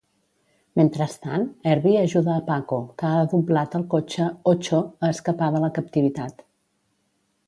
Mentrestant, Herbie ajuda a Paco, que ha doblat el cotxe "Ocho", a escapar de la captivitat.